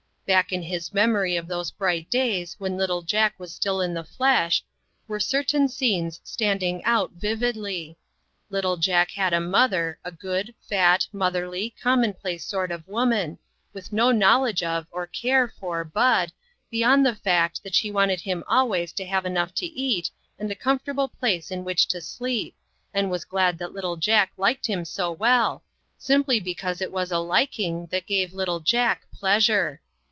Back in his memory of those bright days when little Jack was still in the flesh, were certain scenes standing out vividly. Little Jack had a mother, a good, fat, motherly, commonplace sort of woman, with no knowl edge of, or care for, Bud, beyond the fact that she wanted him always to have enough to eat and a comfortable place in which to sleep, and was glad that little Jack liked him so well, simply because it was a lik ing that gave little Jack pleasure.